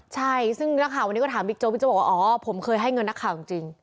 ใช่ซึ่งนักข่าววันนี้ก็ถามบิ๊กโจ๊บิ๊กโจบอกว่าอ๋อผมเคยให้เงินนักข่าวจริง